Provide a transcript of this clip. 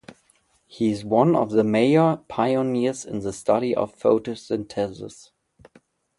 He is one of the major pioneers in the study of photosynthesis.